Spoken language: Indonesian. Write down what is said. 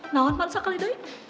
nawan banget sekali doi